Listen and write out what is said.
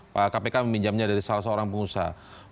pak kpk meminjamnya dari salah seorang pengusaha